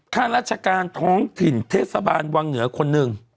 ข้าราชการท้องถิ่นเทศบาลวังเหนือคนหนึ่ง